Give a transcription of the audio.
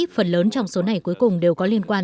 phần lớn trong số này cuối cùng đều có liên quan